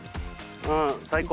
うん最高。